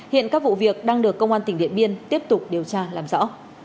hiện các vụ việc đang được công an tỉnh điện biên tiếp tục điều tra làm rõ